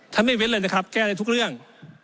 ไม่เว้นเลยนะครับแก้ได้ทุกเรื่อง